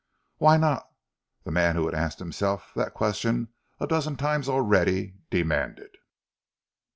"Why not?" the man who had asked himself that question a dozen times already, demanded.